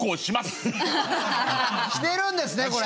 してるんですね？